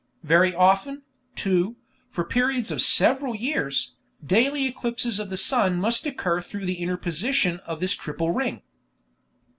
Very often, too, for periods of several years, daily eclipses of the sun must occur through the interposition of this triple ring.